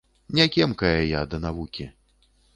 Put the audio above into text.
Не кемкая я да навукі.